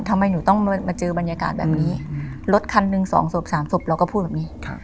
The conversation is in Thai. ทำไมหนูต้องมาเจอบรรยากาศแบบนี้รถคันหนึ่งสองศพสามศพเราก็พูดแบบนี้